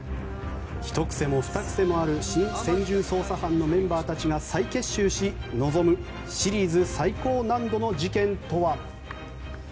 ひと癖もふた癖もある新専従捜査班のメンバーたちが再結集し、臨むシリーズ最高難度の事件とは？